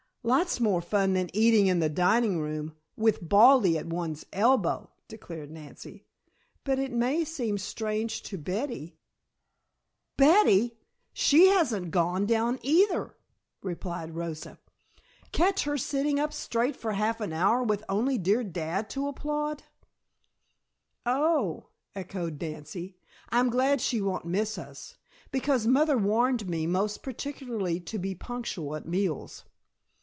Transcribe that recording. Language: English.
"Lots more fun than eating in the dining room with Baldy at one's elbow," declared Nancy. "But it may seem strange to Betty " "Betty! She hasn't gone down either," replied Rosa. "Catch her sitting up straight for half an hour with only dear dad to applaud." "Oh," echoed Nancy. "I'm glad she won't miss us, because mother warned me most particularly to be punctual at meals."